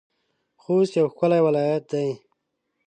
خوست يو ښکلی ولايت دی.